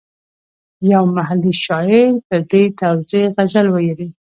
یو محلي شاعر پر دې توزېع غزل ویلی.